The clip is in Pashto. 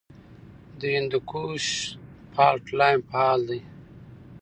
د هندوکش فالټ لاین فعال دی